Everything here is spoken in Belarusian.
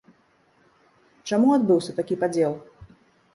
Чаму адбыўся такі падзел?